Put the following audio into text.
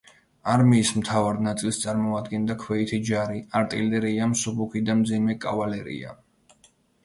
არმიის მთავარ ნაწილს წარმოადგენდა ქვეითი ჯარი, არტილერია, მსუბუქი და მძიმე კავალერია.